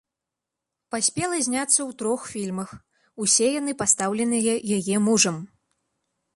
Паспела зняцца ў трох фільмах, усе яны пастаўленыя яе мужам.